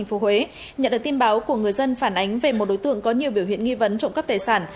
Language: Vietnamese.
nhận được tin báo của người dân phản ánh về một đối tượng có nhiều biểu hiện nghi vấn trộn cắp tài sản